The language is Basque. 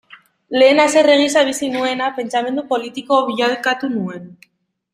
Lehen haserre gisa bizi nuena, pentsamendu politiko bilakatu nuen.